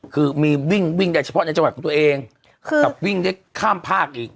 คือมีวิ่งวิ่งได้เฉพาะในจังหวัดของตัวเองกับวิ่งได้ข้ามภาคอีก